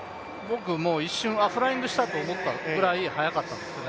僕、一瞬、フライングしたと思ったぐらい早かったんですよね。